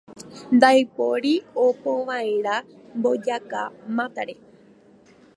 Ndaipóri opova'erã mbokaja mátare.